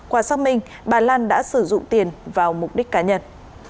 qua xác minh bà lan đã sử dụng tiền vào mục đích cá nhân